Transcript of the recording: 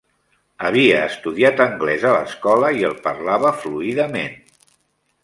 Havia estudiat anglès a l'escola i el parlava fluidament.